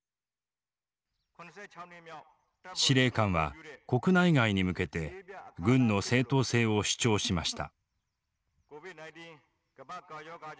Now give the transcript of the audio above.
司令官は国内外に向けて軍の正当性を主張しました。